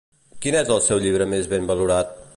Quin és el seu llibre més ben valorat?